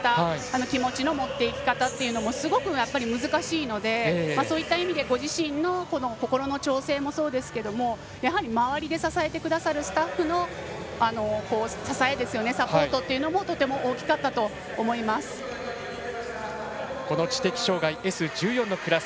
気持ちの持っていき方というのもすごく難しいのでそういった意味でご自身の心の調整もそうですけれどもやはり周りで支えてくださるスタッフの支え、サポートもこの知的障がいＳ１４のクラス